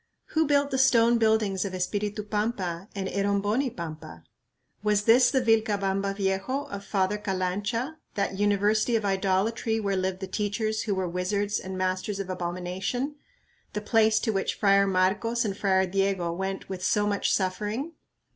Who built the stone buildings of Espiritu Pampa and Eromboni Pampa? Was this the "Vilcabamba Viejo" of Father Calancha, that "University of Idolatry where lived the teachers who were wizards and masters of abomination," the place to which Friar Marcos and Friar Diego went with so much suffering?